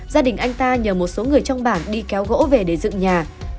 gia đình anh ta nhờ một số người trong bảng đi kéo gỗ về để dựng nhà